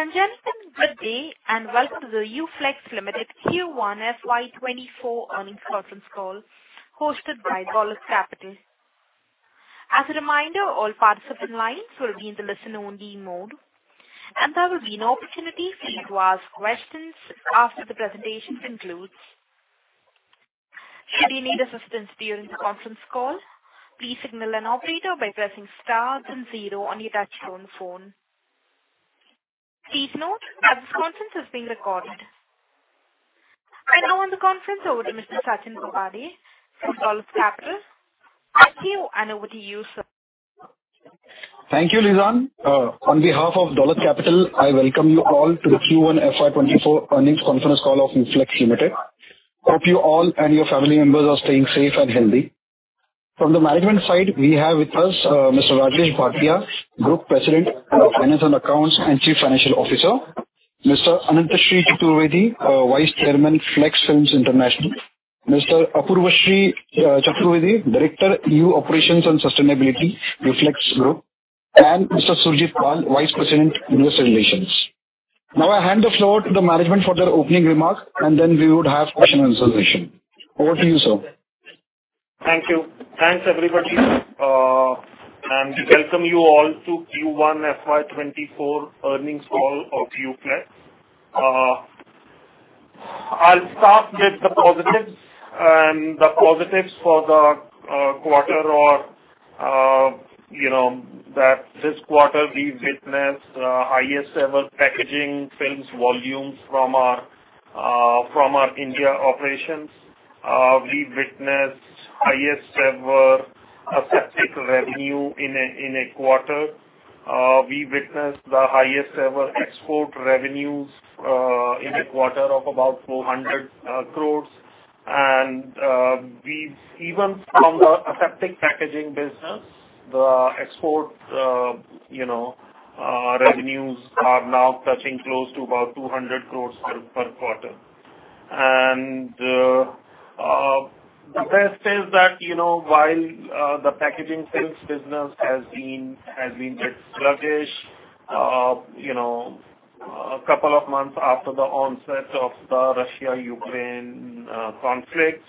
Ladies and gentlemen, good day, and welcome to the UFlex Limited Q1 FY2024 earnings conference call, hosted by Dolat Capital. As a reminder, all participant lines will be in the listen-only mode, and there will be an opportunity for you to ask questions after the presentation concludes. Should you need assistance during the Conference Call, please signal an operator by pressing star then zero on your touchtone phone. Please note that this conference is being recorded. I now hand the conference over to Mr. Sachin Bobade from Dolat Capital. Sachin, over to you, sir. Thank you, Lizann. On behalf of Dolat Capital, I welcome you all to the Q1 FY2024 earnings conference call of UFlex Limited. Hope you all and your family members are staying safe and healthy. From the management side, we have with us, Mr. Rajesh Bhatia, Group President of Finance and Accounts, and Chief Financial Officer, Mr. Anantshree Chaturvedi, Vice Chairman, Flex Films International, Mr. Apoorvshree Chaturvedi, Director, New Operations and Sustainability, UFlex Group, and Mr. Surajit Pal, Vice President, Investor Relations. I hand the floor to the management for their opening remarks, and then we would have question and answer session. Over to you, sir. Thank you. Thanks, everybody, welcome you all to Q1 FY2024 earnings call of UFlex. I'll start with the positives. The positives for the quarter or, you know, that this quarter we've witnessed highest ever packaging films volumes from our India operations. We've witnessed highest ever aseptic revenue in a quarter. We witnessed the highest ever export revenues in a quarter of about 400 crore. Even from the aseptic packaging business, the export, you know, revenues are now touching close to about 200 crore per quarter. The best is that, you know, while the packaging films business has been, has been bit sluggish, you know, a couple of months after the onset of the Russia-Ukraine conflict.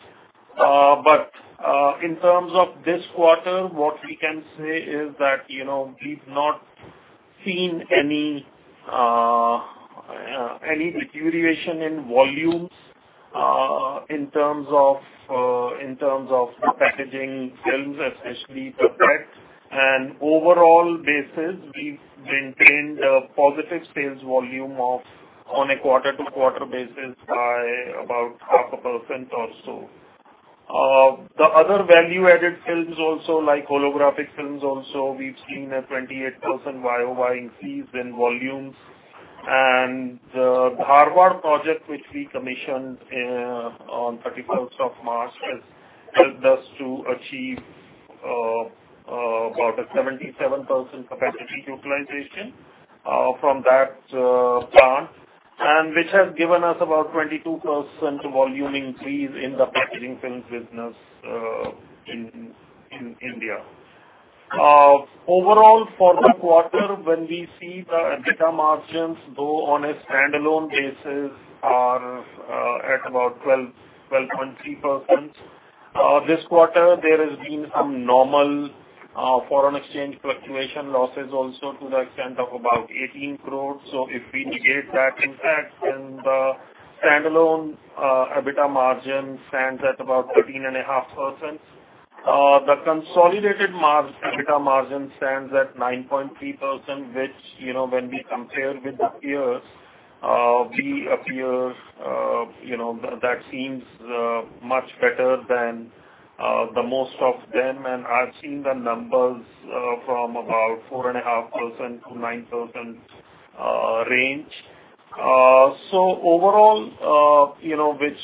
In terms of this quarter, what we can say is that, you know, we've not seen any deterioration in volumes in terms of the packaging films, especially the PET. Overall basis, we've maintained a positive sales volume of on a quarter-to-quarter basis by about 0.5% or so. The other value-added films also, like holographic films also, we've seen a 28% YOY increase in volumes. The Dharwad project, which we commissioned on 31st of March, has helped us to achieve about a 77% capacity utilization from that plant, and which has given us about 22% volume increase in the packaging films business in India. Overall, for the quarter, when we see the EBITDA margins, though, on a standalone basis, are at about 12-12.3%. This quarter, there has been some normal foreign exchange fluctuation losses also to the extent of about 18 crore. If we negate that impact, then the standalone EBITDA margin stands at about 13.5%. The consolidated EBITDA margin stands at 9.3%, which, you know, when we compare with the peers, we appear, you know, that seems much better than the most of them. I've seen the numbers from about 4.5%-9% range. Overall, you know, which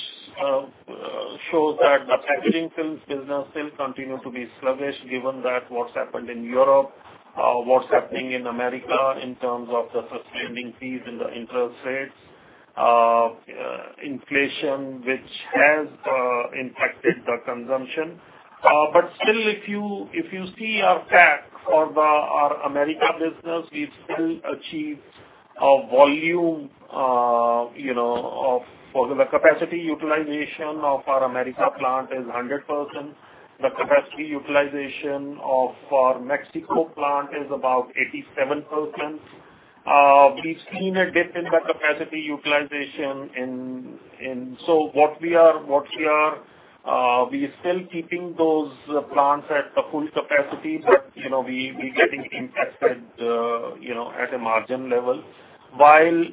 shows that the packaging films business still continue to be sluggish, given that what's happened in Europe, what's happening in America in terms of the suspending fees and the interest rates, inflation, which has impacted the consumption. Still, if you, if you see our facts for the, our America business, we've still achieved a volume, you know, for the capacity utilization of our America plant is 100%. The capacity utilization of our Mexico plant is about 87%. We've seen a dip in the capacity utilization. What we are, what we are, we still keeping those plants at the full capacity, but, you know, we, we're getting impacted, you know, at a margin level. While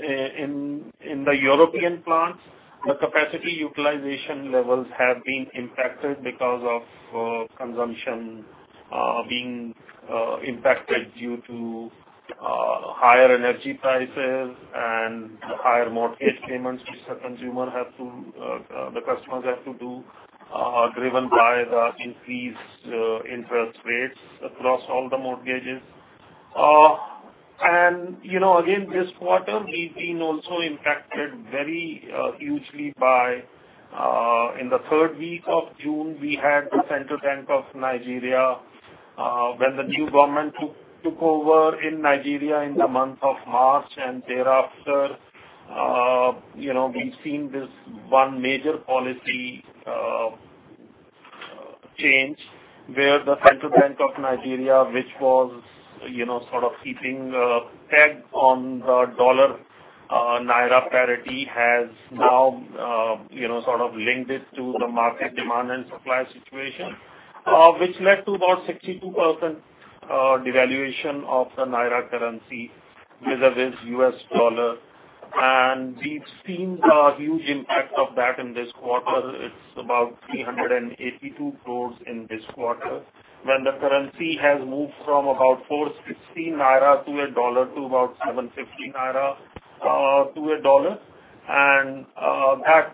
in the European plants, the capacity utilization levels have been impacted because of consumption being impacted due to higher energy prices and higher mortgage payments, which the consumer have to, the customers have to do, driven by the increased interest rates across all the mortgages. You know, again, this quarter, we've been also impacted very hugely by, in the third week of June, we had the Central Bank of Nigeria, when the new government took, took over in Nigeria in the month of March and thereafter, you know, we've seen this one major policy change, where the Central Bank of Nigeria, which was, you know, sort of keeping a peg on the dollar, Naira parity has now, you know, sort of linked it to the market demand and supply situation, which led to about 62% devaluation of the Naira currency vis-a-vis US dollar. We've seen the huge impact of that in this quarter. It's about 382 crore in this quarter, when the currency has moved from about 416 Naira to a U.S. dollar to about 750 Naira to a U.S. dollar. That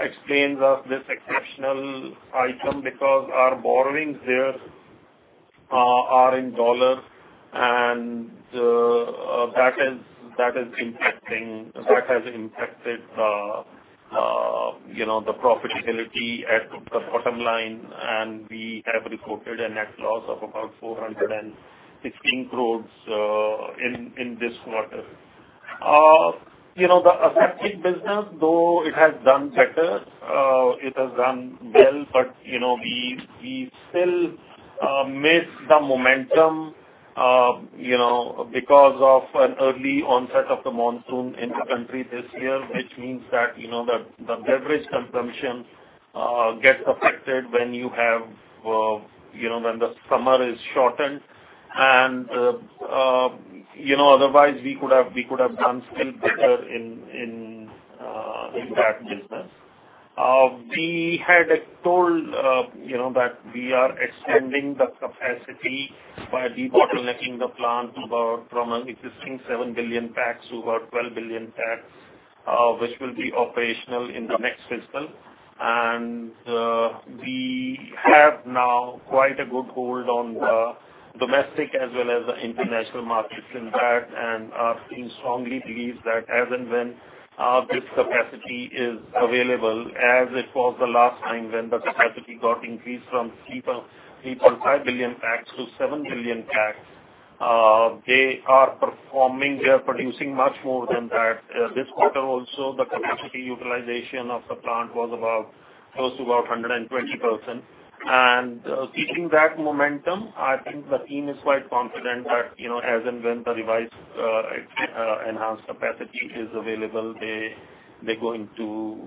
explains us this exceptional item because our borrowings there are in U.S. dollars, and that has impacted, you know, the profitability at the bottom line, and we have reported a net loss of about 416 crore in this quarter. You know, the aseptic business, though, it has done better, it has done well, but, you know, we, we still miss the momentum, you know, because of an early onset of the monsoon in the country this year, which means that, you know, the, the beverage consumption gets affected when you have, you know, when the summer is shortened. You know, otherwise, we could have, we could have done still better in, in that business. We had told, you know, that we are extending the capacity by debottlenecking the plant about from an existing 7 billion packs to about 12 billion packs, which will be operational in the next fiscal. We have now quite a good hold on the domestic as well as the international markets in that, team strongly believes that as and when this capacity is available, as it was the last time when the capacity got increased from 3.5 billion packs to 7 billion packs, they are performing, they are producing much more than that. This quarter also, the capacity utilization of the plant was about close to about 120%. Keeping that momentum, I think the team is quite confident that, you know, as and when the revised, enhanced capacity is available, they, they're going to,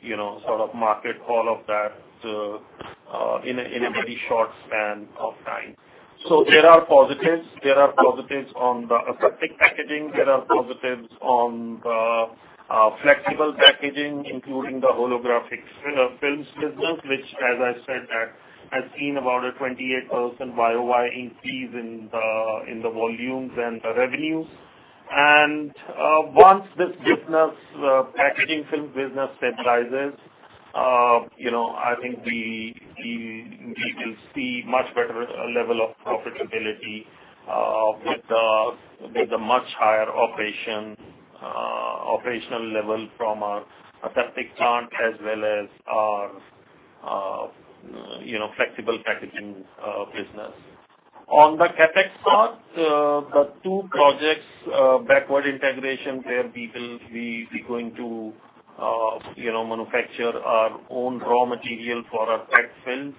you know, sort of market all of that in a very short span of time. There are positives. There are positives on the aseptic packaging. There are positives on the flexible packaging, including the holographic films business, which, as I said, that has seen about a 28% Y-o-Y increase in the, in the volumes and the revenues. Once this business, packaging film business stabilizes, you know, I think we, we, we will see much better level of profitability with the, with the much higher operation, operational level from our aseptic plant as well as our, you know, flexible packaging business. On the CapEx part, the two projects, backward integration, where we will be, be going to, you know, manufacture our own raw material for our PET films.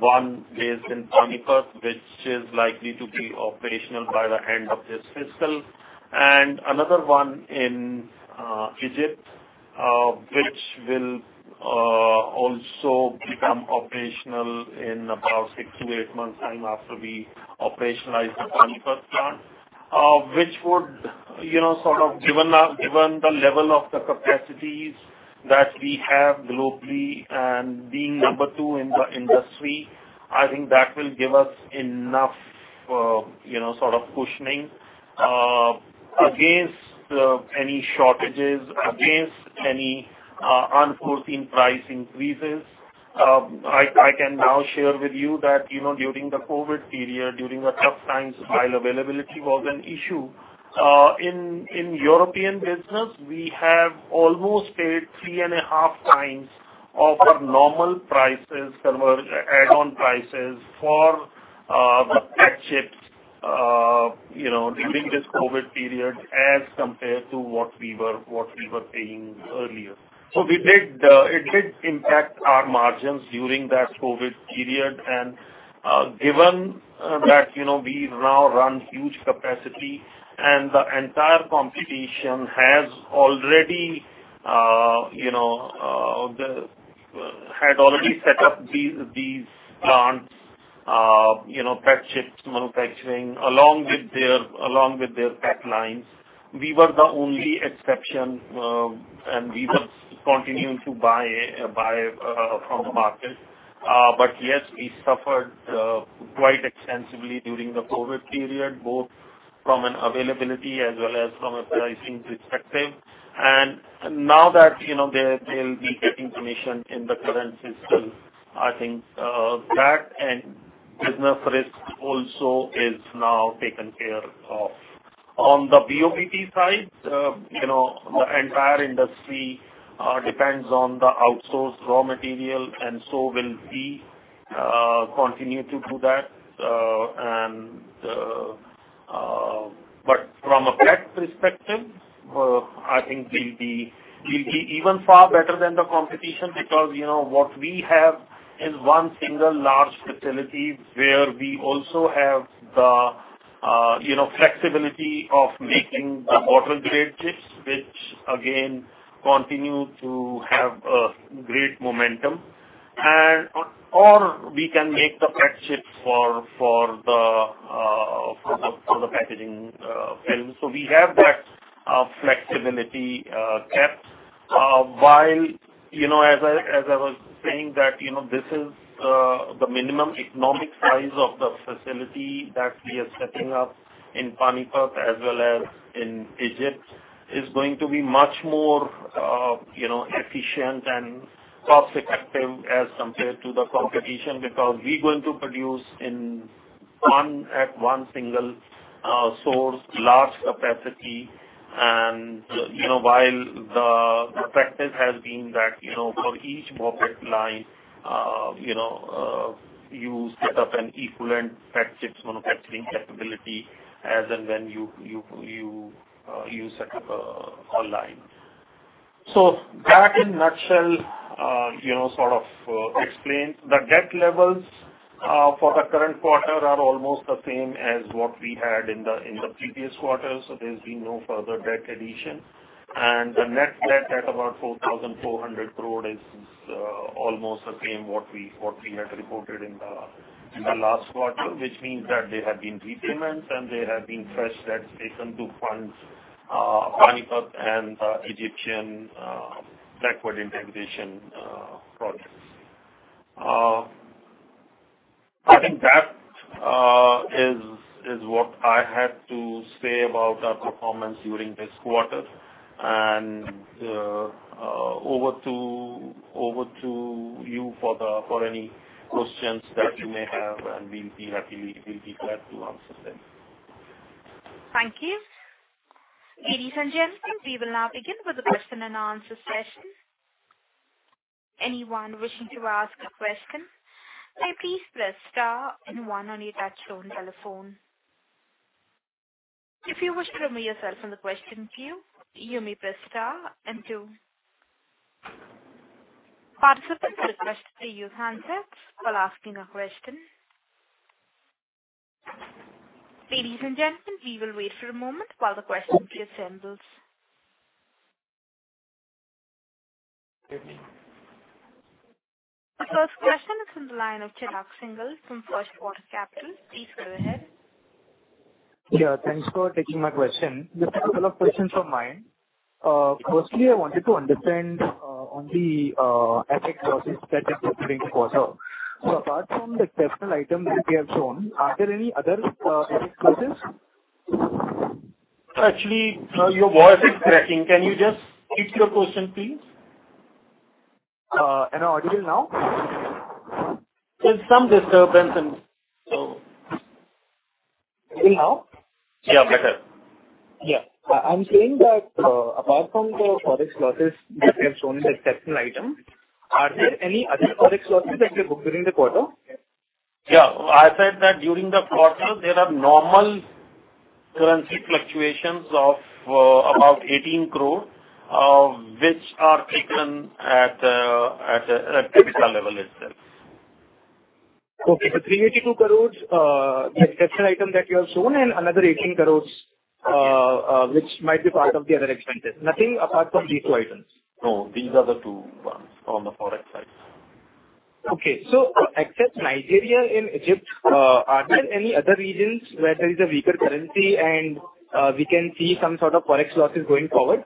One is in Panipat, which is likely to be operational by the end of this fiscal. Another one in Egypt, which will also become operational in about 6-8 months time after we operationalize the Panipat plant. Which would, you know, sort of given the level of the capacities that we have globally and being number two in the industry, I think that will give us enough, you know, sort of cushioning against any shortages, against any unforeseen price increases. I, I can now share with you that, you know, during the COVID period, during the tough times, while availability was an issue in European business, we have almost paid three and a half times of our normal prices, our add-on prices for the pet chips, you know, during this COVID period as compared to what we were, what we were paying earlier. We did, it did impact our margins during that COVID period. Given that, you know, we now run huge capacity, and the entire competition has already, you know, had already set up these, these plants, you know, PET chips manufacturing, along with their, along with their PET lines. We were the only exception, and we were continuing to buy, buy from the market. But yes, we suffered quite extensively during the COVID period, both from an availability as well as from a pricing perspective. Now that, you know, they'll be getting commission in the current fiscal. I think that and business risk also is now taken care of. On the BOPP side, you know, the entire industry depends on the outsourced raw material, and so will we continue to do that. But from a PET perspective, I think we'll be, we'll be even far better than the competition because, you know, what we have is one single large facility where we also have the, you know, flexibility of making the bottle-grade PET chips, which again, continue to have a great momentum. We can make the PET chips for, for the, for the packaging films. We have that flexibility kept while, you know, as I, as I was saying that, you know, this is the minimum economic size of the facility that we are setting up in Panipat as well as in Egypt, is going to be much more, you know, efficient and cost-effective as compared to the competition. We're going to produce in one at one single source, large capacity. You know, while the practice has been that, you know, for each product line, you know, you set up an equivalent PET chips manufacturing capability as and when you, you, you, you set up a line. That in a nutshell, you know, sort of explains. The debt levels for the current quarter are almost the same as what we had in the previous quarter, so there's been no further debt addition. The net debt at about 4,400 crore is almost the same what we, what we had reported in the last quarter. Which means that there have been repayments and there have been fresh debts taken to fund Panipat and Egyptian backward integration projects. I think that is what I had to say about our performance during this quarter. Over to, over to you for any questions that you may have, and we'll be happy, we'll be glad to answer them. Thank you. Ladies and gentlemen, we will now begin with the question and answer session. Anyone wishing to ask a question, please PPress Star one on your touch-tone telephone. If you wish to remove yourself from the question queue, you may Press Star two. Participants are requested to use handsets while asking a question. Ladies and gentlemen, we will wait for a moment while the question queue assembles. The first question is from the line of Chirag Singhal from FirstWater Capital. Please go ahead. Yeah, thanks for taking my question. Just two questions from my end. firstly, I wanted to understand on the FX losses that you booked during the quarter. Apart from the exceptional item that you have shown, are there any other FX losses? Actually, your voice is cracking. Can you just repeat your question, please? Audible now? There's some disturbance and so... Even now? Yeah, better. Yeah. I'm saying that, apart from the Forex losses that you have shown in the exceptional item, are there any other Forex losses that you booked during the quarter? Yeah. I said that during the quarter, there are normal currency fluctuations of about 18 crore, which are taken at a, at PIPA level itself. Okay. 382 crores exceptional item that you have shown, and another 18 crores which might be part of the other expenses. Nothing apart from these two items? No, these are the two ones on the Forex side. Okay. Except Nigeria and Egypt, are there any other regions where there is a weaker currency and we can see some sort of Forex losses going forward?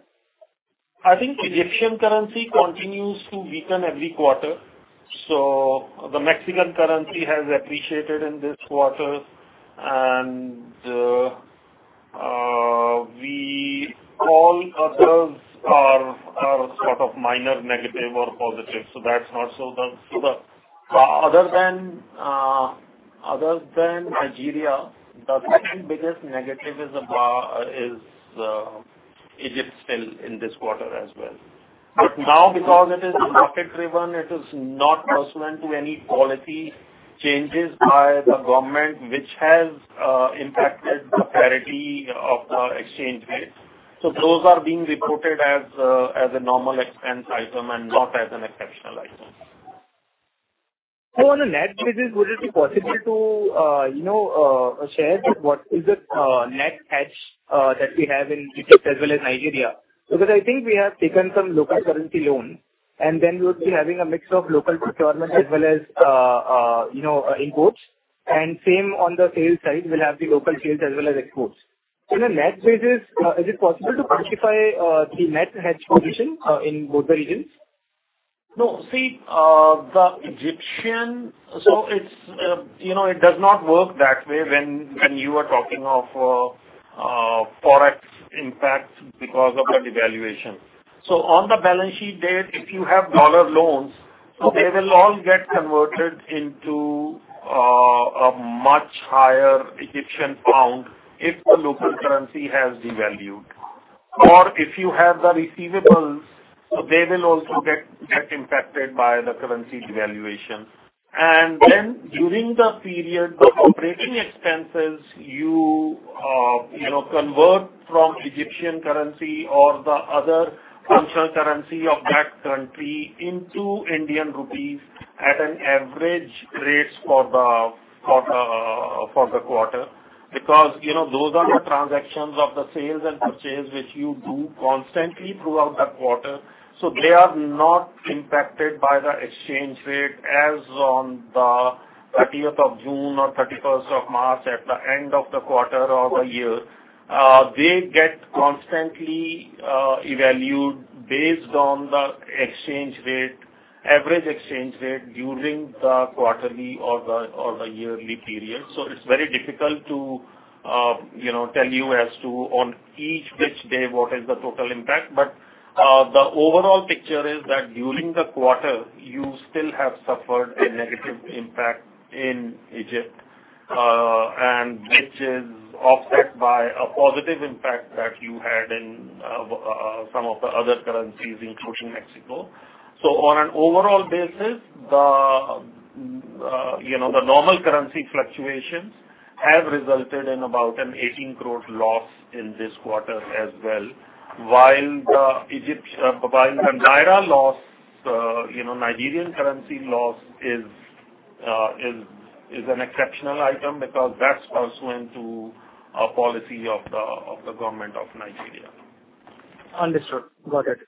I think Egyptian currency continues to weaken every quarter, so the Mexican currency has appreciated in this quarter. All others are, are sort of minor, negative or positive, so that's not so bad. The, other than, other than Nigeria, the second biggest negative is, is Egypt still in this quarter as well. Now, because it is market-driven, it is not pursuant to any policy changes by the government, which has impacted the parity of the exchange rates. Those are being reported as, as a normal expense item and not as an exceptional item. On a net basis, would it be possible to, you know, share what is the net hedge that we have in Egypt as well as Nigeria? Because I think we have taken some local currency loan, then we would be having a mix of local procurement as well as, you know, imports. Same on the sales side, we'll have the local sales as well as exports. On a net basis, is it possible to quantify the net hedge position in both the regions? No. See, the Egyptian. It's, you know, it does not work that way when you are talking of Forex- impact because of the devaluation. On the balance sheet date, if you have dollar loans, they will all get converted into a much higher Egyptian pound if the local currency has devalued. If you have the receivables, they will also get impacted by the currency devaluation. Then during the period of operating expenses, you, you know, convert from Egyptian currency or the other functional currency of that country into Indian rupees at an average rates for the quarter. Because, you know, those are the transactions of the sales and purchase, which you do constantly throughout the quarter, so they are not impacted by the exchange rate as on the 30th of June or 31st of March at the end of the quarter or the year. They get constantly evaluated based on the exchange rate, average exchange rate during the quarterly or the yearly period. It's very difficult to, you know, tell you as to on each which day, what is the total impact. The overall picture is that during the quarter, you still have suffered a negative impact in Egypt, and which is offset by a positive impact that you had in some of the other currencies, including Mexico. On an overall basis, the, you know, the normal currency fluctuations have resulted in about an 18 crore loss in this quarter as well. While the Egypt, while the Naira loss, you know, Nigerian currency loss is, is an exceptional item because that's pursuant to a policy of the government of Nigeria. Understood. Got it.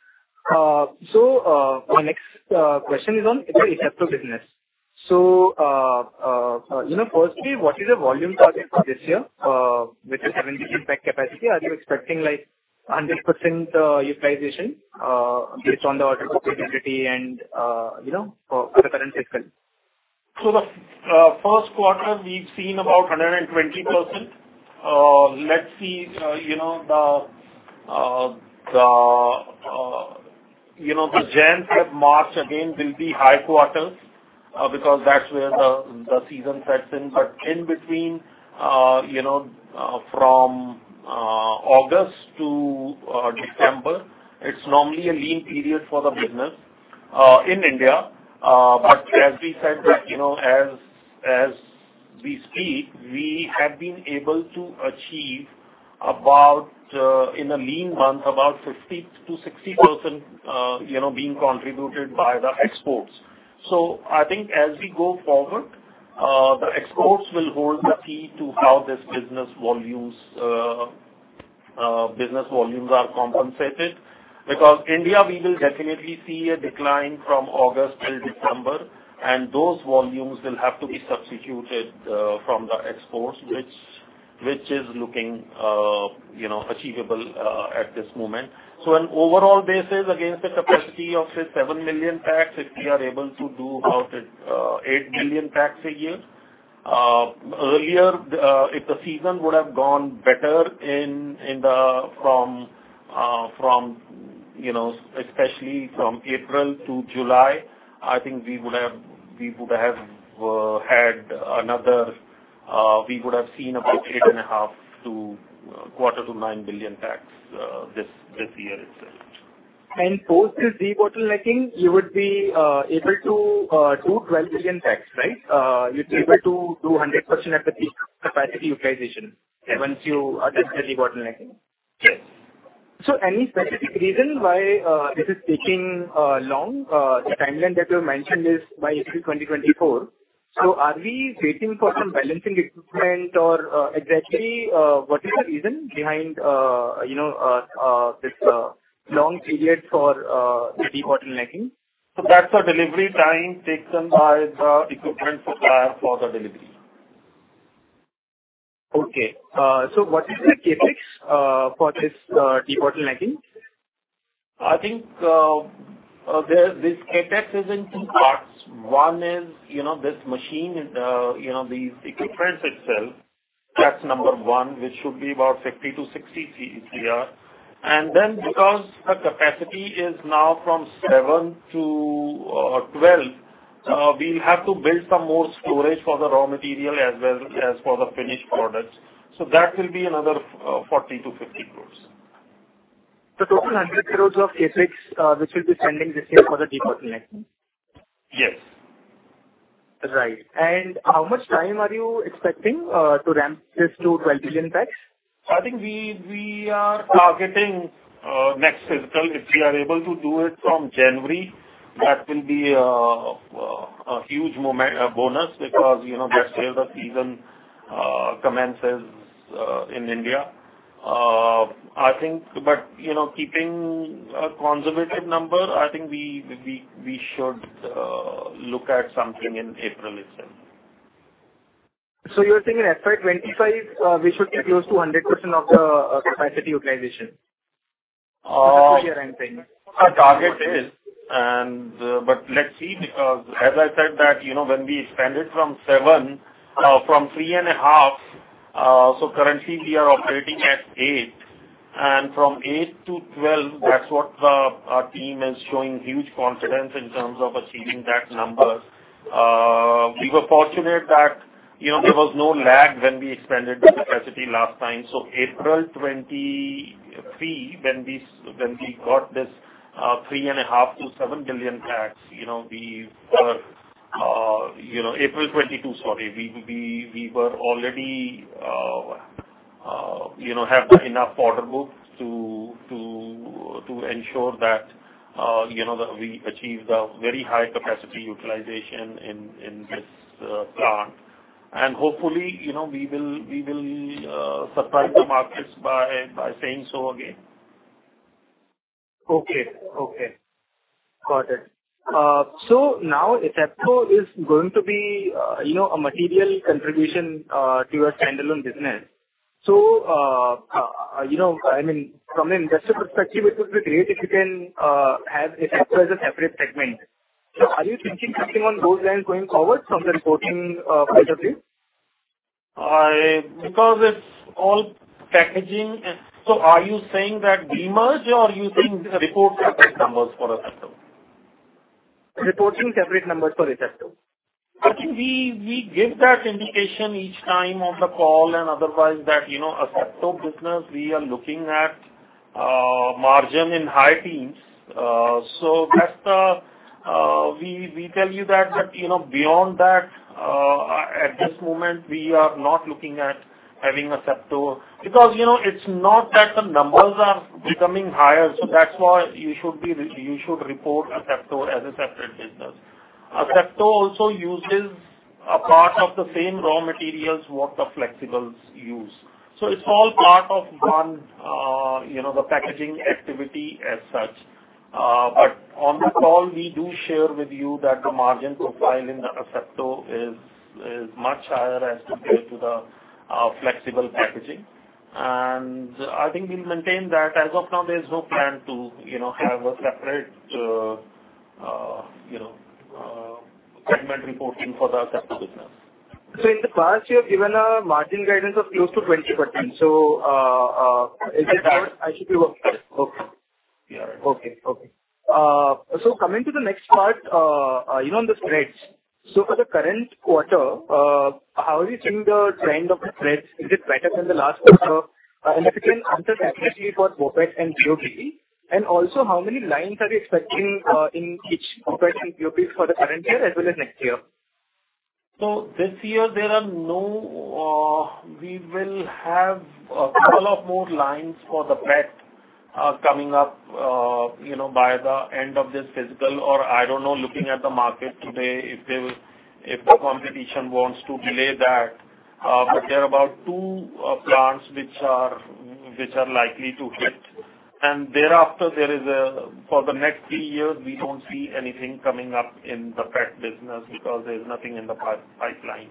My next question is on the business. You know, firstly, what is the volume target for this year, with the 7 billion pack capacity? Are you expecting, like, 100% utilization, based on the order book integrity and, you know, for other current fiscal? The first quarter, we've seen about 120%. Let's see, you know, the, the, you know, the January to March again, will be high quarters, because that's where the season sets in. In between, you know, from August to December, it's normally a lean period for the business in India. As we said, you know, as, as we speak, we have been able to achieve about, in a lean month, about 50%-60%, you know, being contributed by the exports. I think as we go forward, the exports will hold the key to how this business volumes, business volumes are compensated. Because India, we will definitely see a decline from August till December, and those volumes will have to be substituted from the exports, which, which is looking, you know, achievable at this moment. On overall basis, against the capacity of say 7 million packs, if we are able to do about 8 million packs a year. Earlier, if the season would have gone better in, in the, from, from, you know, especially from April to July, I think we would have, we would have had another, we would have seen about 8.5-8.75 billion packs this year itself. Post this debottlenecking, you would be able to do 12 billion packs, right? You're able to do 100% at the peak capacity utilization once you are done with the debottlenecking? Yes. Any specific reason why this is taking long? The timeline that you mentioned is by April 2024. Are we waiting for some balancing equipment or exactly what is the reason behind, you know, this long period for the debottlenecking? That's our delivery time taken by the equipment supplier for the delivery. Okay. What is the CapEx for this debottlenecking? I think this CapEx is in two parts. One is this machine, the equipment itself, that's 1, which should be about 50-60 crore. Because the capacity is now from 7-12, we'll have to build some more storage for the raw material as well as for the finished products. That will be another 40-50 crore. Total 100 crore of CapEx, which will be spending this year for the debottlenecking? Yes. Right. How much time are you expecting to ramp this to 12 billion packs? I think we, we are targeting next fiscal. If we are able to do it from January, that will be a huge bonus, because, you know, that's where the season commences in India. I think. You know, keeping a conservative number, I think we, we, we should look at something in April itself. You're saying in FY2025, we should be close to 100% of the capacity utilization? our target is. Let's see, because as I said that, you know, when we expanded from seven, from three and a half, so currently we are operating at eight, and from 8-12, that's what our team is showing huge confidence in terms of achieving that number. We were fortunate that, you know, there was no lag when we expanded the capacity last time. April 2023, when we, when we got this, three and a half to 7 billion packs, you know, we were, you know, April 2022, sorry. We were already, you know, have enough order books to, to, to ensure that, you know, that we achieve the very high capacity utilization in this plant. Hopefully, you know, we will, we will, surprise the markets by, by saying so again. Okay. Okay, got it. Now Asepto is going to be, you know, a material contribution to your standalone business. You know, I mean, from an investor perspective, it would be great if you can have Asepto as a separate segment. Are you thinking something on those lines going forward from the reporting point of view? because it's all packaging and... are you saying that we merge or you think report separate numbers for Asepto? Reporting separate numbers for Asepto. I think we, we give that indication each time on the call and otherwise that, you know, Asepto business, we are looking at margin in high teens. That's the, we, we tell you that, but, you know, beyond that, at this moment, we are not looking at having Asepto. Because, you know, it's not that the numbers are becoming higher, so that's why you should report Asepto as a separate business. Asepto also uses a part of the same raw materials what the flexibles use. It's all part of one, you know, the packaging activity as such. On the call, we do share with you that the margin profile in the Asepto is, is much higher as compared to the flexible packaging. I think we'll maintain that. As of now, there's no plan to, you know, have a separate, you know, segment reporting for the Asepto business. In the past, you have given a margin guidance of close to 20%. Is it still? I should be okay. Yes. Okay. Okay. Coming to the next part, you know, on the spreads. For the current quarter, how are you seeing the trend of the spreads? Is it better than the last quarter? If you can answer specifically for BOPET and BOPP. Also, how many lines are you expecting, in each, BOPET and BOPP for the current year as well as next year? This year, there are no, we will have a couple of more lines for the PET coming up, you know, by the end of this fiscal, or I don't know, looking at the market today, if they will, if the competition wants to delay that. But there are about two plants which are, which are likely to hit. Thereafter, there is. For the next three years, we don't see anything coming up in the PET business because there's nothing in the pipeline.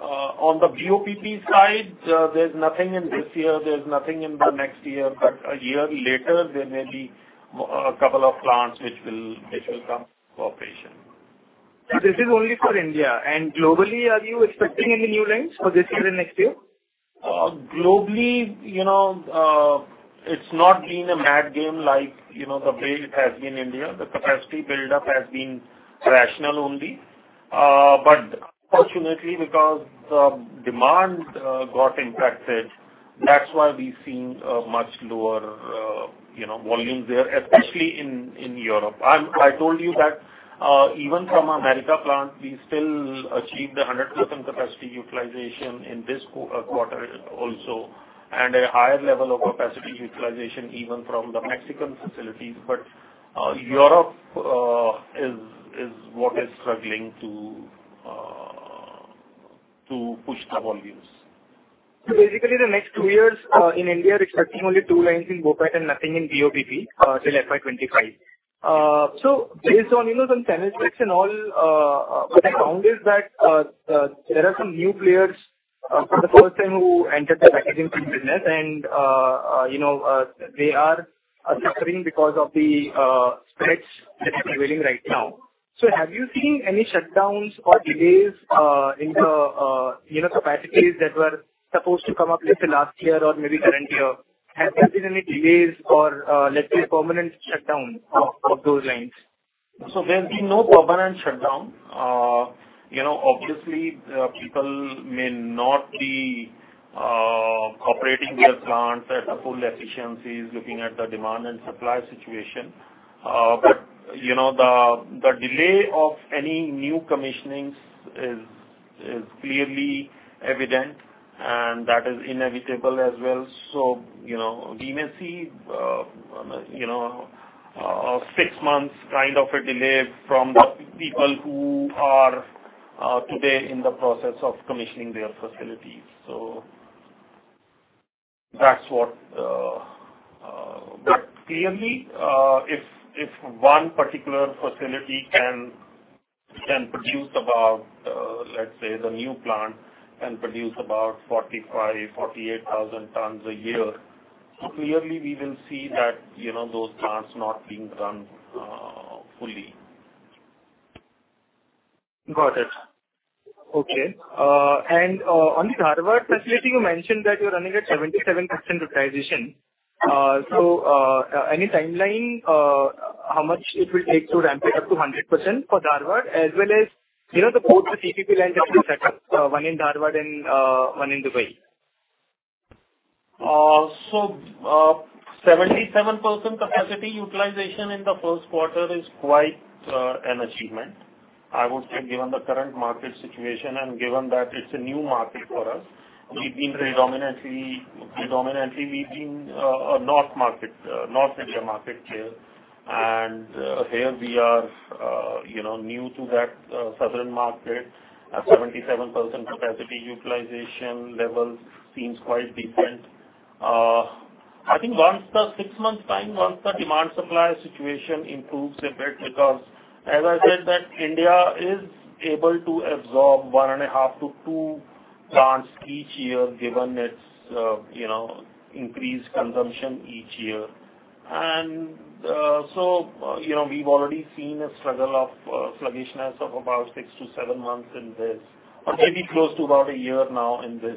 On the BOPP side, there's nothing in this year, there's nothing in the next year, but a year later, there may be a couple of plants which will, which will come for operation. This is only for India. Globally, are you expecting any new lines for this year and next year? Globally, you know, it's not been a mad game like, you know, the way it has been in India. The capacity build-up has been rational only. Unfortunately, because the demand got impacted, that's why we've seen a much lower, you know, volumes there, especially in Europe. I told you that, even from America plant, we still achieved 100% capacity utilization in this quarter also, and a higher level of capacity utilization even from the Mexican facilities. Europe is what is struggling to push the volumes. Basically, the next two years, in India, we're expecting only two lines in BOPET and nothing in BOPP, till FY2025. Based on, you know, some channel checks and all, what I found is that there are some new players, for the first time who entered the packaging business, and, you know, they are suffering because of the spreads that are prevailing right now. Have you seen any shutdowns or delays in the, you know, capacities that were supposed to come up lately last year or maybe current year? Has there been any delays or, let's say, permanent shutdown of those lines? There's been no permanent shutdown. You know, obviously, people may not be operating their plants at the full efficiencies, looking at the demand and supply situation. You know, the, the delay of any new commissionings is, is clearly evident, and that is inevitable as well. You know, we may see, you know, 6 months kind of a delay from the people who are today in the process of commissioning their facilities. That's what Clearly, if, if one particular facility can produce about, let's say, the new plant can produce about 45,000-48,000 tons a year. Clearly we will see that, you know, those plants not being run, fully. Got it. Okay. On the Dharwad facility, you mentioned that you're running at 77% utilization. Any timeline, how much it will take to ramp it up to 100% for Dharwad, as well as, you know, the both the CPP lines that you set up, one in Dharwad and one in Dubai? 77% capacity utilization in the first quarter is quite an achievement. I would say, given the current market situation and given that it's a new market for us, we've been predominantly, predominantly, we've been a north market, North India market player. Here we are, you know, new to that southern market. At 77% capacity utilization levels seems quite different. I think once the six months time, once the demand supply situation improves a bit, because as I said, that India is able to absorb 1.5-2 plants each year, given its, you know, increased consumption each year. You know, we've already seen a struggle of sluggishness of about 6-7 months in this, or maybe close to about one year now in this.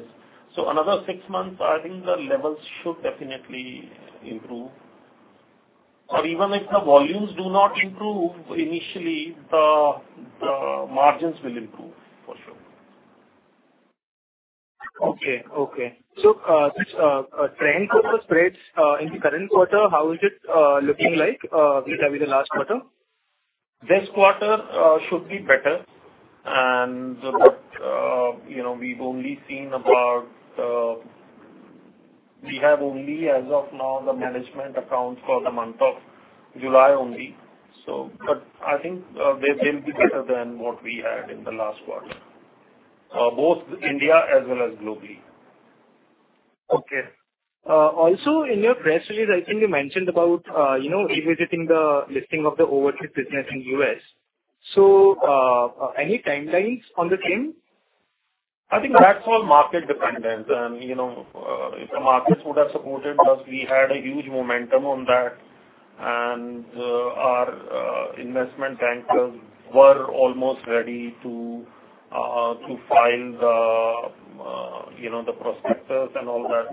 Another 6 months, I think the levels should definitely improve. Even if the volumes do not improve initially, the, the margins will improve, for sure. Okay. Okay. This trend for the spreads, in the current quarter, how is it looking like, vis-a-vis the last quarter? This quarter should be better. You know, we've only seen about, we have only as of now, the management accounts for the month of July only. I think, they'll be better than what we had in the last quarter, both India as well as globally. Okay. Also in your press release, I think you mentioned about, you know, revisiting the listing of the Overseas business in U.S. Any timelines on the same? I think that's all market dependent. You know, if the markets would have supported us, we had a huge momentum on that, and our investment bankers were almost ready to to file the, you know, the prospectus and all that.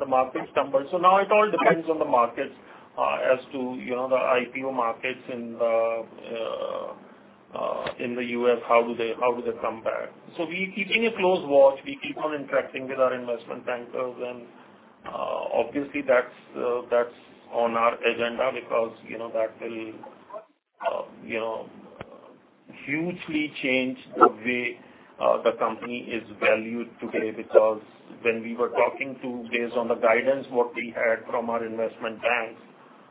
The markets tumbled. Now it all depends on the markets as to, you know, the IPO markets in the US, how do they, how do they come back? We keeping a close watch. We keep on interacting with our investment bankers, and obviously, that's that's on our agenda because, you know, that will, you know, hugely change the way the company is valued today. When we were talking to, based on the guidance, what we had from our investment banks,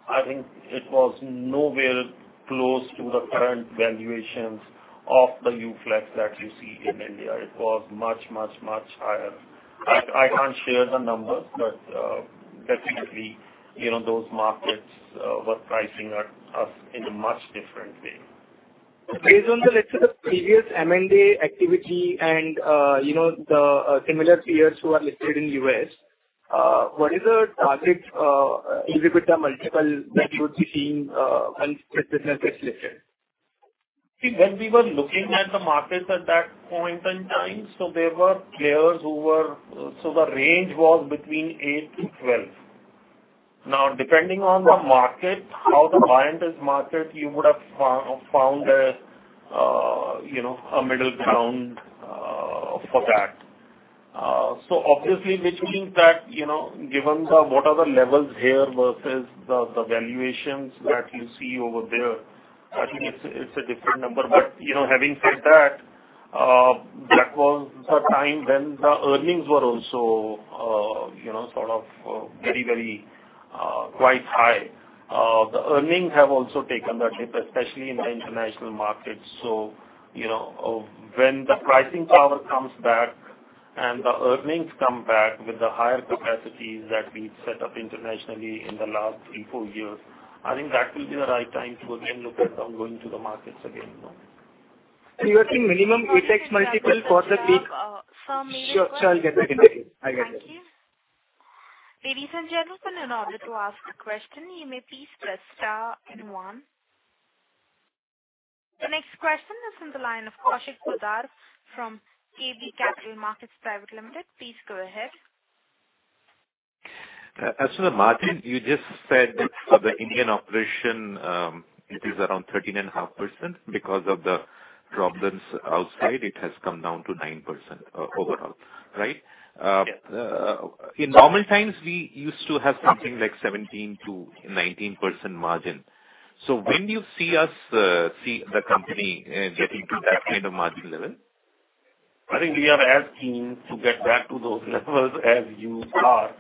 I think it was nowhere close to the current valuations of the UFlex that you see in India. It was much, much, much higher. I, I can't share the numbers, but, definitely, you know, those markets, were pricing us, us in a much different way. Based on the, let's say, the previous M&A activity and, you know, the, similar peers who are listed in U.S. what is the target EBITDA multiple that you would be seeing, when this business is listed? When we were looking at the markets at that point in time, there were players who were. The range was between 8-12. Depending on the market, how the client is market, you would have found, you know, a middle ground for that. Obviously, which means that, you know, given the, what are the levels here versus the, the valuations that you see over there, I think it's, it's a different number. You know, having said that, that was the time when the earnings were also, you know, sort of, very, very, quite high. The earnings have also taken a dip, especially in the international markets. You know, when the pricing power comes back and the earnings come back with the higher capacities that we've set up internationally in the last three, four years, I think that will be the right time to again look at on going to the markets again. Do you think minimum FX multiple for the peak- Some... Sure, sure. I'll get back into you. I'll get back. Thank you. Ladies and gentlemen, in order to ask a question, you may please Press Star and one. The next question is from the line of Kaushik Poddar from KB Capital Markets Pvt Ltd. Please go ahead. Martin, you just said that for the Indian operation, it is around 13.5%. Because of the problems outside, it has come down to 9% overall, right? Yes. In normal times, we used to have something like 17%-19% margin. When do you see us, see the company, getting to that kind of margin level? I think we are as keen to get back to those levels as you are.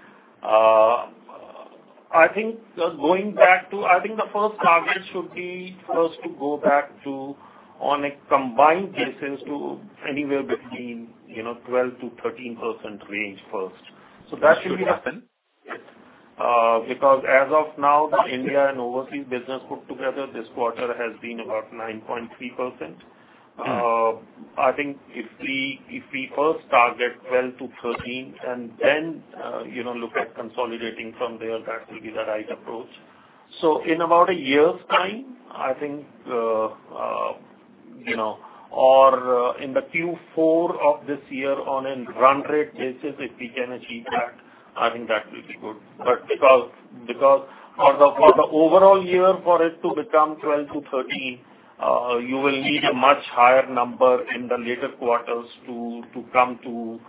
I think just going back to, I think the first target should be first to go back to, on a combined basis, to anywhere between, you know, 12%-13% range first. That should happen. Because as of now, the India and overseas business put together this quarter has been about 9.3%. I think if we, if we first target 12%-13% and then, you know, look at consolidating from there, that will be the right approach. In about a year's time, I think, you know, or in the Q4 of this year on a run rate basis, if we can achieve that, I think that will be good. Because, because for the, for the overall year, for it to become 12-13, you will need a much higher number in the later quarters to come to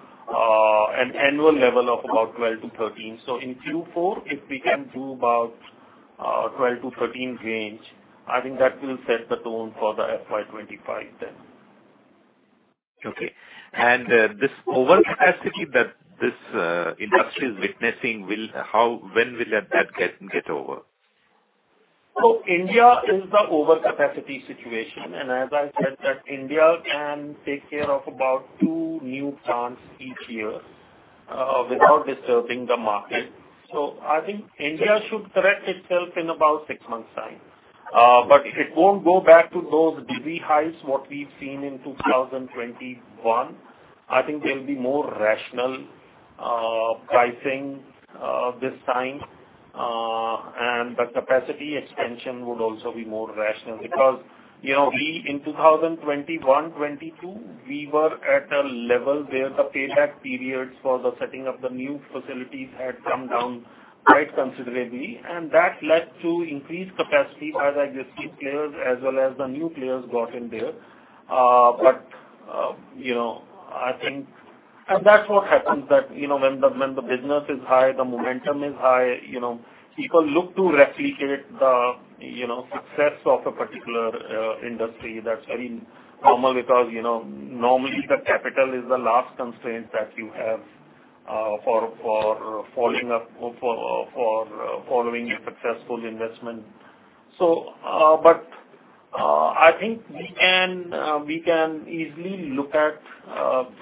an annual level of about 12-13. In Q4, if we can do about 12-13 range, I think that will set the tone for the FY25 then. Okay. This overcapacity that this industry is witnessing, will how, when will that, that get, get over? India is the overcapacity situation, and as I said, that India can take care of about two new plants each year, without disturbing the market. It won't go back to those dizzy heights, what we've seen in 2021. I think there will be more rational pricing this time. The capacity expansion would also be more rational because, you know, we in 2021, 2022, we were at a level where the payback periods for the setting up the new facilities had come down quite considerably, and that led to increased capacity as existing players as well as the new players got in there. You know, I think. That's what happens that, you know, when the, when the business is high, the momentum is high, you know, people look to replicate the, you know, success of a particular industry. That's very normal because, you know, normally the capital is the last constraint that you have, for, for following up, for, for following a successful investment. But, I think we can, we can easily look at,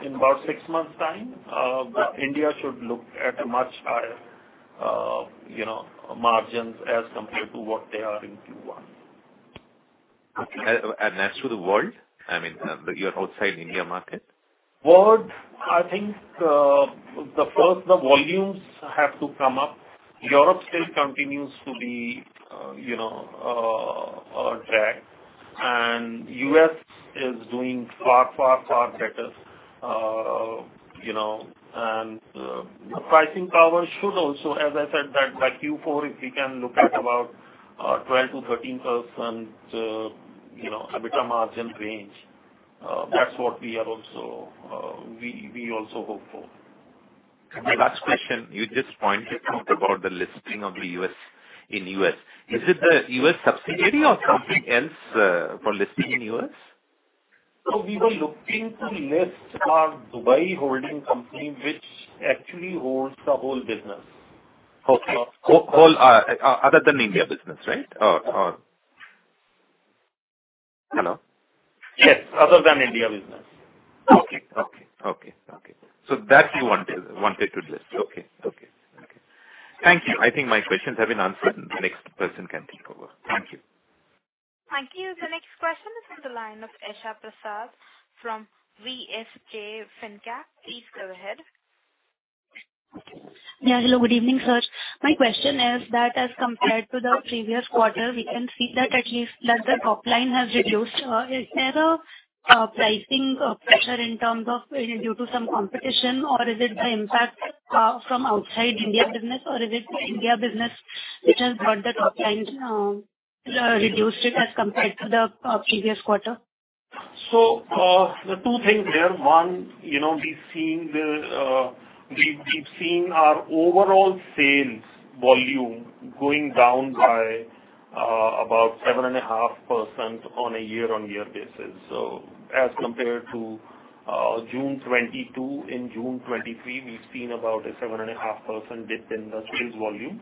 in about 6 months' time, India should look at a much higher, you know, margins as compared to what they are in Q1. Okay. As to the world, I mean, your outside India market? World, I think, the first, the volumes have to come up. Europe still continues to be, you know, jacked, and U.S. is doing far, far, far better. The pricing power should also, as I said, that by Q4, if we can look at about 12%-13% EBITDA margin range, that's what we are also, we, we also hope for. My last question, you just pointed out about the listing of the U.S. in U.S. Is it the U.S. subsidiary or something else for listing in U.S.? We were looking to list our Dubai holding company, which actually holds the whole business. Okay. Whole, other than India business, right? Hello? Yes, other than India business. Okay. Okay, okay, okay. That you wanted, wanted to list. Okay. Okay, okay. Thank you. I think my questions have been answered. The next person can take over. Thank you. Thank you. The next question is from the line of Esha Prasad from VSK Fincat. Please go ahead. Yeah, hello, good evening, sir. My question is that as compared to the previous quarter, we can see that at least that the top line has reduced. Is there a pricing pressure in terms of due to some competition, or is it the impact from outside India business, or is it the India business which has got the top line reduced it as compared to the previous quarter? There are 2 things there. One, you know, we've seen our overall sales volume going down by about 7.5% on a year-on-year basis. As compared to June 2022 and June 2023, we've seen about a 7.5% dip in the sales volume.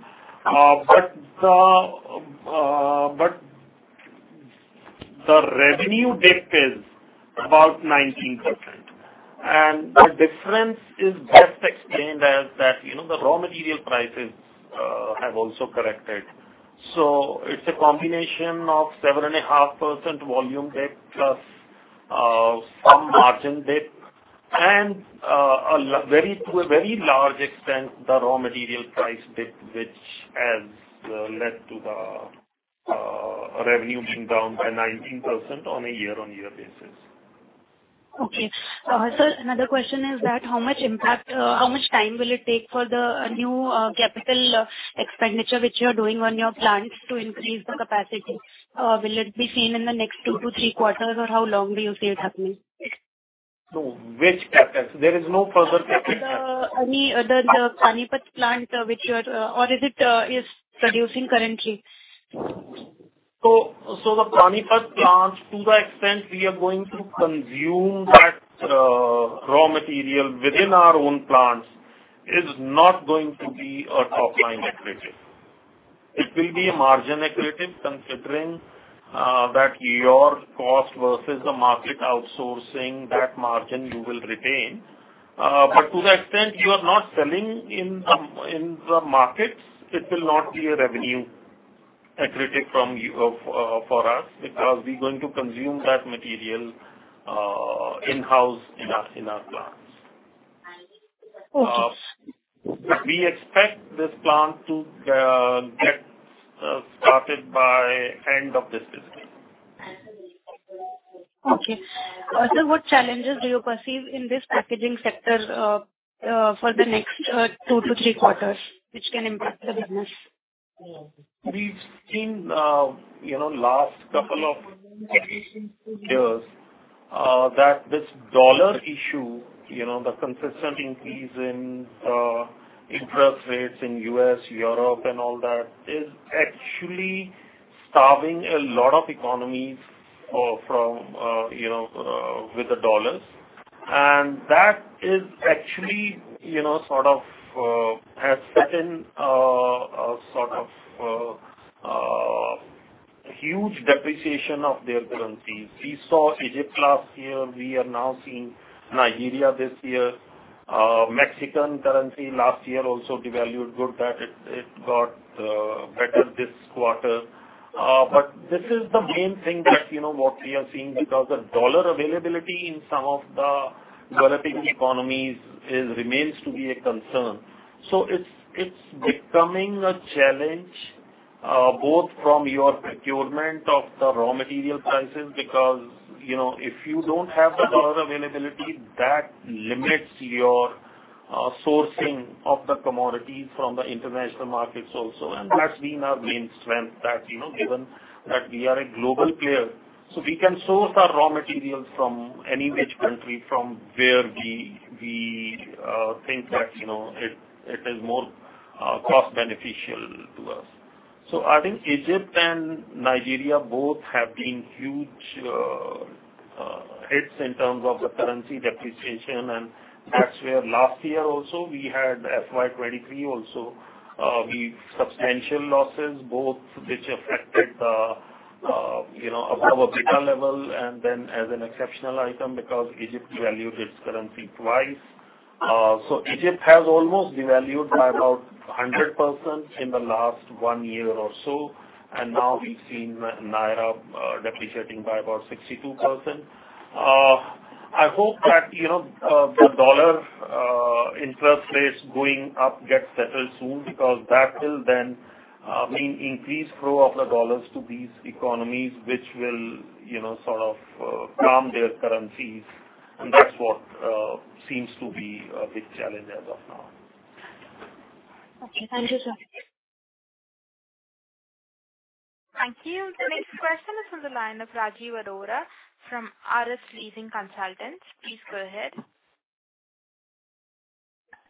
The revenue dip is about 19%, and the difference is best explained as that, you know, the raw material prices have also corrected. It's a combination of 7.5% volume dip, plus some margin dip, and to a very large extent, the raw material price dip, which has led to the revenue being down by 19% on a year-on-year basis. Okay. Sir, another question is that how much impact, how much time will it take for the new capital expenditure, which you are doing on your plants to increase the capacity? Will it be seen in the next 2-3 quarters, or how long do you see it happening? Which capital? There is no further capital. The Panipat plant, which you are. Or is it, is producing currently? The Panipat plants, to the extent we are going to consume that raw material within our own plants, is not going to be a top line acreage. It will be a margin accretive, considering that your cost versus the market outsourcing, that margin you will retain. But to that extent, you are not selling in the markets. It will not be a revenue accretive from you for us, because we're going to consume that material in-house in our plants. Okay. We expect this plant to get started by end of this fiscal. Okay. sir, what challenges do you perceive in this packaging sector, for the next two to three quarters, which can impact the business? We've seen, you know, last couple of years, that this U.S. dollar issue, you know, the consistent increase in interest rates in U.S. Europe, and all that, is actually starving a lot of economies from, you know, with the U.S. dollars. That is actually, you know, sort of, has gotten a sort of huge depreciation of their currencies. We saw Egypt last year. We are now seeing Nigeria this year. Mexican currency last year also devalued good, but it, it got better this quarter. This is the main thing that, you know, what we are seeing, because the US dollar availability in some of the developing economies is... remains to be a concern. It's, it's becoming a challenge, both from your procurement of the raw material prices, because, you know, if you don't have the U.S. dollar availability, that limits your sourcing of the commodities from the international markets also. That's been our main strength that, you know, given that we are a global player, so we can source our raw materials from any which country from where we, we, think that, you know, it, it is more, cost beneficial to us. I think Egypt and Nigeria both have been huge, hits in terms of the currency depreciation. That's where last year also, we had FY2023 also, we substantial losses, both which affected, you know, up to our EBITDA level and then as an exceptional item, because Egypt devalued its currency twice. Egypt has almost devalued by about 100% in the last one year or so. Now we've seen Naira, depreciating by about 62%. I hope that, you know, the U.S. dollar, interest rates going up gets settled soon, because that will then, mean increased flow of the U.S. dollars to these economies, which will, you know, sort of, calm their currencies. That's what seems to be a big challenge as of now. Okay. Thank you, sir. Thank you. The next question is from the line of Rajiv Arora from RS Leasing Consultants. Please go ahead.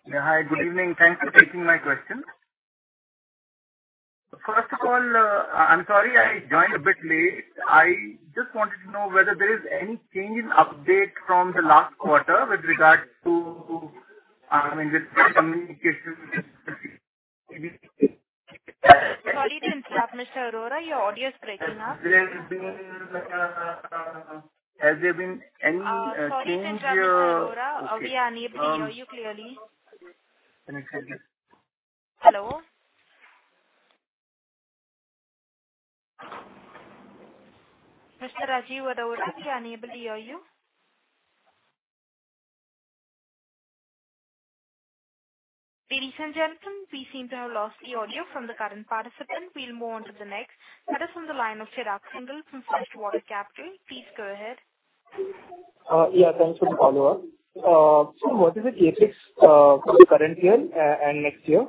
Yeah. Hi, good evening. Thanks for taking my question. First of all, I'm sorry I joined a bit late. I just wanted to know whether there is any change in update from the last quarter with regards to, I mean, this communication? Sorry to interrupt, Mr. Arora, your audio is breaking up. Has there been any change? Sorry to interrupt, Mr. Arora. Okay. We are unable to hear you clearly. Can you hear me? Hello? Mr. Rajiv Arora, we are unable to hear you. Ladies and gentlemen, we seem to have lost the audio from the current participant. We'll move on to the next. That is on the line of Chirag Singhal from FirstWater Capital. Please go ahead. Yeah, thanks for the follow-up. What is the CapEx for the current year and next year?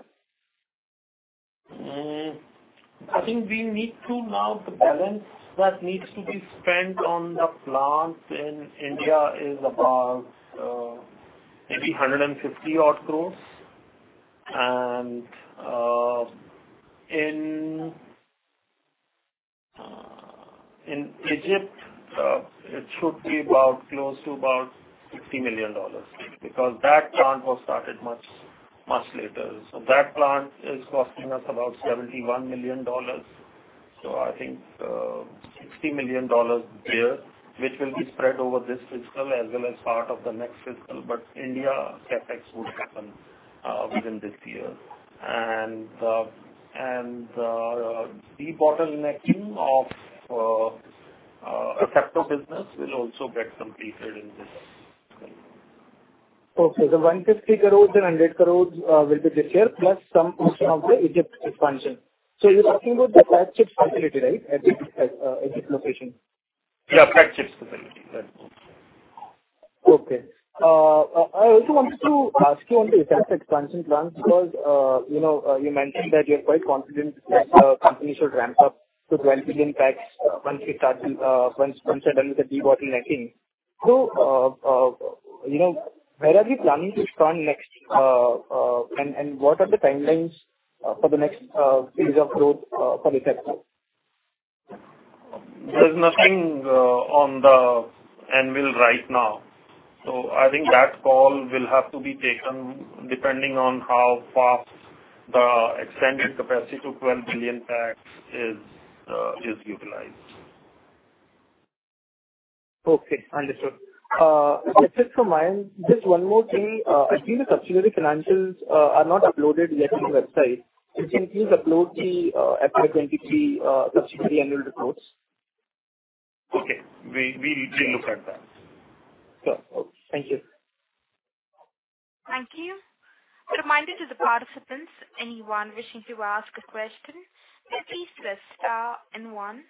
to now, the balance that needs to be spent on the plant in India is about 150 odd crore. In Egypt, it should be about close to about $60 million, because that plant was started much, much later. That plant is costing us about $71 million. So I think $60 million there, which will be spread over this fiscal as well as part of the next fiscal. India CapEx would happen within this year. Debottlenecking of aseptic business will also get completed in this year. Okay. The 150 crore and 100 crore will be this year, plus some portion of the Egypt expansion. You're talking about the packaging films facility, right, at the Egypt location? Yeah, packaging films facility. Right. Okay. I also wanted to ask you on the CapEx expansion plans, because, you know, you mentioned that you're quite confident that the company should ramp up to 12 billion packs once we start to, once, once you're done with the debottlenecking. You know, where are we planning to start next, and, and what are the timelines for the next phase of growth for the CapEx? There's nothing on the anvil right now. I think that call will have to be taken depending on how fast the extended capacity to 12 billion packs is utilized. Okay, understood. Just to remind, just one more thing. I think the subsidiary financials are not uploaded yet on the website. Could you please upload the FY2023 subsidiary annual reports? Okay. We look at that. Sure. Okay. Thank you. Thank you. A reminder to the participants, anyone wishing to ask a question, please press star and one.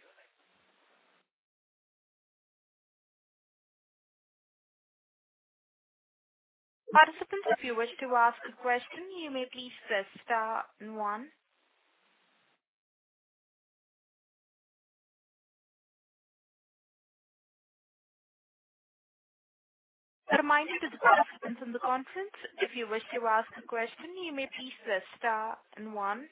Participants, if you wish to ask a question, you may please Press Star and one. A reminder to the participants in the conference, if you wish to ask a question, you may please Press Star and one.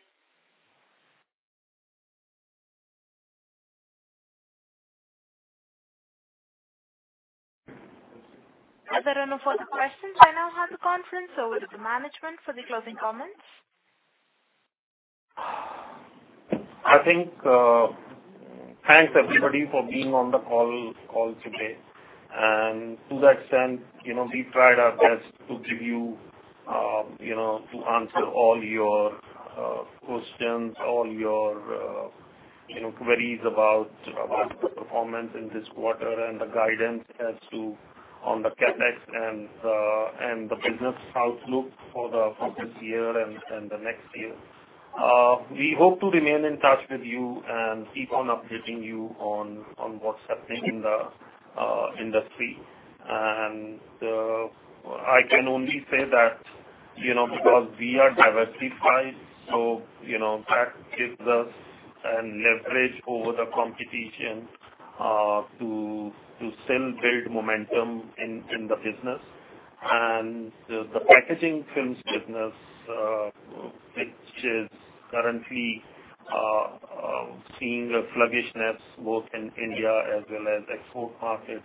As there are no further questions, I now hand the conference over to the management for the closing comments. I think, thanks, everybody, for being on the call, call today. To that extent, you know, we tried our best to give you, you know, to answer all your questions, all your, you know, queries about, about the performance in this quarter and the guidance as to on the CapEx and the business outlook for the current year and the next year. We hope to remain in touch with you and keep on updating you on, on what's happening in the industry. I can only say that, you know, because we are diversified, so, you know, that gives us an leverage over the competition to, to still build momentum in, in the business. The, the packaging films business, which is currently seeing a sluggishness both in India as well as export markets.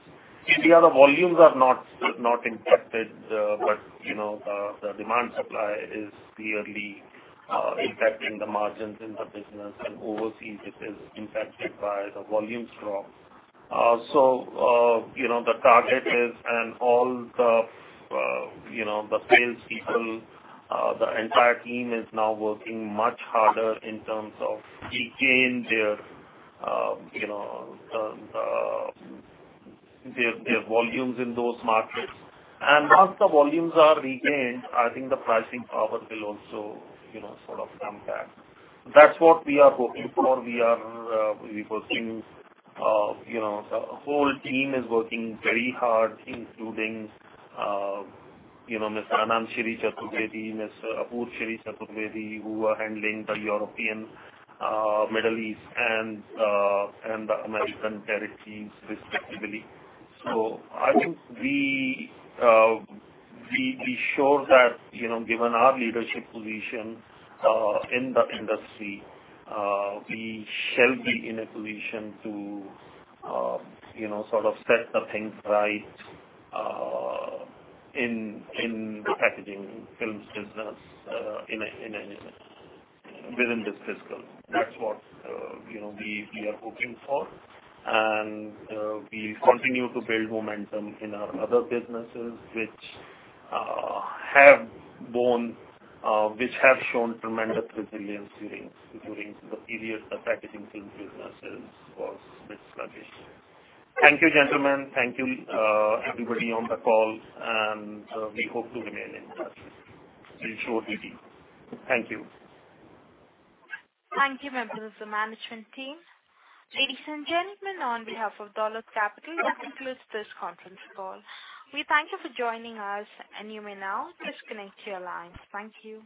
India, the volumes are not, not impacted, but, you know, the, the demand supply is clearly impacting the margins in the business and overseas it is impacted by the volume drop. You know, the target is and all the, you know, the sales people, the entire team is now working much harder in terms of regaining their, you know, the, the, their, their volumes in those markets. Once the volumes are regained, I think the pricing power will also, you know, sort of come back. That's what we are hoping for. We are, we were seeing, you know, the whole team is working very hard, including, you know, Mr. Anansheri Chatterjee, Mr. Abur Sheri Chatterjee, who are handling the European, Middle East and the American territories, respectively. I think we sure that, you know, given our leadership position in the industry, we shall be in a position to, you know, sort of set the things right in the packaging films business within this fiscal. That's what, you know, we are hoping for. We continue to build momentum in our other businesses which have borne which have shown tremendous resilience during, during the period the packaging films businesses was this sluggish. Thank you, gentlemen. Thank you, everybody on the call, and we hope to remain in touch. We sure will be. Thank you. Thank you, members of the management team. Ladies and gentlemen, on behalf of Dolat Capital, that concludes this Conference Call. We thank you for joining us, and you may now disconnect your lines. Thank you.